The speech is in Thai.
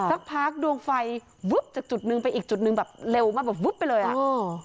สักพักดวงไฟวึบจากจุดนึงไปอีกจุดหนึ่งแบบเร็วมากแบบวึบไปเลยอ่ะเออ